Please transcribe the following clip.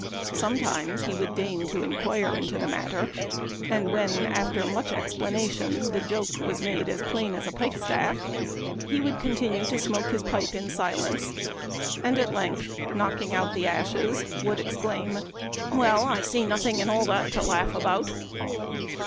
Sometimes he would deign to inquire into the matter and when, after much explanation, the joke was made as plain as a pike staff, he would continue to smoke his pipe in silence, and at length, knocking out the ashes, would exclaim, ' Well ! I see nothing in all that to laugh about.'